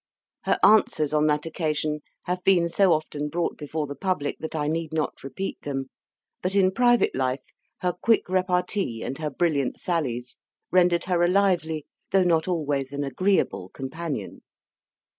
Her answers on that occasion have been so often brought before the public, that I need not repeat them; but, in private life, her quick repartee, and her brilliant sallies, rendered her a lively, though not always an agreeable companion.